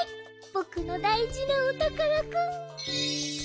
ぼくのだいじなおたからくん。